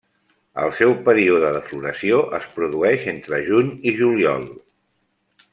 El seu període de floració es produeix entre juny i juliol.